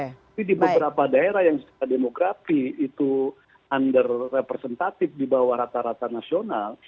jadi di beberapa daerah yang demografi itu under representatif di bawah rata rata nasional